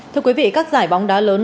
thưa quý vị các giải bóng đá lớn